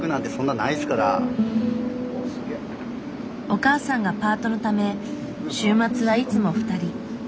お母さんがパートのため週末はいつも２人。